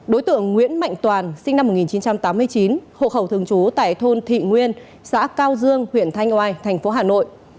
đối tượng nguyễn mạnh toàn sinh năm một nghìn chín trăm tám mươi chín hồ hầu thường trú tại thôn thị nguyên xã cao dương huyện thanh oai thành phố hà nội